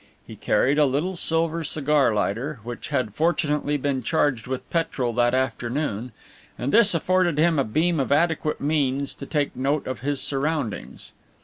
He carried a little silver cigar lighter, which had fortunately been charged with petrol that afternoon, and this afforded him a beam of adequate means to take note of his surroundings.